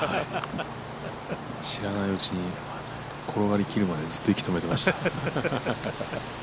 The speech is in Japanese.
知らないうちに、転がりきるまでずっと息止めてました。